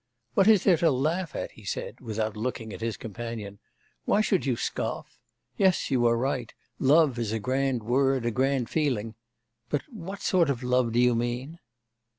'What is there to laugh at?' he said, without looking at his companion, 'why should you scoff? Yes, you are right: love is a grand word, a grand feeling.... But what sort of love do you mean?